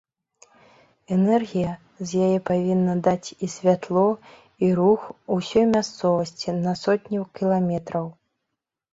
Энергія з яе павінна даць і святло і рух усёй мясцовасці на сотні кіламетраў.